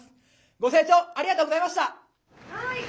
ご静聴ありがとうございました。